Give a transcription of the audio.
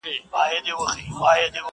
ستا توري باښې غلیمه ټولي مقدسي دي,